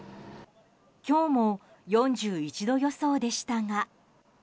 今日も４１度予想でしたが。